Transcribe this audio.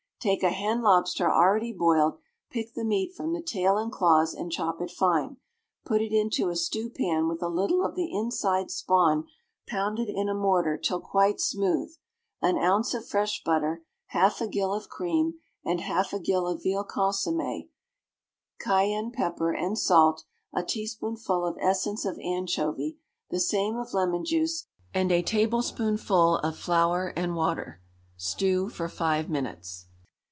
Take a hen lobster already boiled; pick the meat from the tail and claws, and chop it fine; put it into a stewpan with a little of the inside spawn pounded in a mortar till quite smooth, an ounce of fresh butter, half a gill of cream, and half a gill of veal consommé, cayenne pepper, and salt, a teaspoonful of essence of anchovy, the same of lemon juice, and a tablespoonful of flour and water: stew for five minutes.